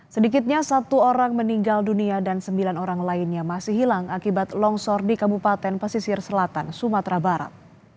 sedikitnya satu orang meninggal dunia dan sembilan orang lainnya masih hilang akibat longsor di kabupaten pesisir selatan sumatera barat